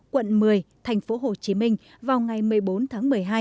quận một mươi thành phố hồ chí minh vào ngày một mươi bốn tháng một mươi hai